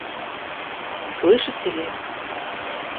Слышите ли?